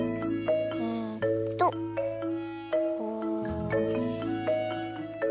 えっとこうして。